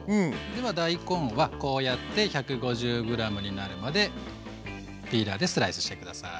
では大根はこうやって１５０ｇになるまでピーラーでスライスして下さい。